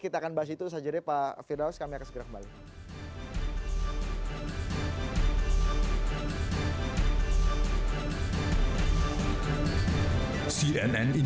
kita akan bahas itu saja deh pak firdaus kami akan segera kembali